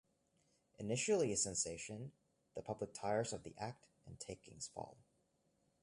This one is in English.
Initially a sensation, the public tires of the act and takings fall.